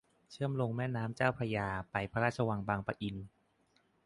เชื่อมลงแม่น้ำเจ้าพระยาไปพระราชวังบางประอิน